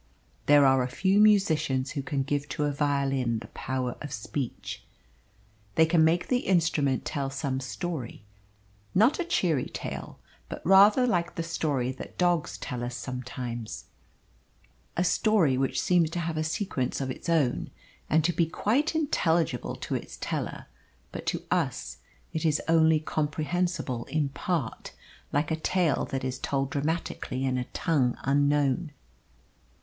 There are a few musicians who can give to a violin the power of speech. They can make the instrument tell some story not a cheery tale, but rather like the story that dogs tell us sometimes a story which seems to have a sequence of its own, and to be quite intelligible to its teller; but to us it is only comprehensible in part, like a tale that is told dramatically in a tongue unknown.